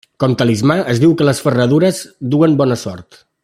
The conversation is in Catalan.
Com talismà, es diu que les ferradures duen bona sort.